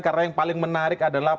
karena yang paling menarik adalah